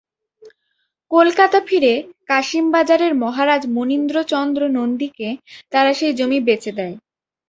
কলকাতা ফিরে কাশিমবাজারের মহারাজ মনীন্দ্রচন্দ্র নন্দীকে তারা সেই জমি বেচে দেয়।